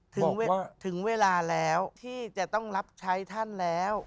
ถึงเวลาแล้วที่จะต้องรับใช้ท่านแล้ว